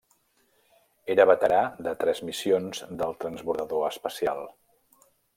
Era veterà de tres missions del transbordador espacial.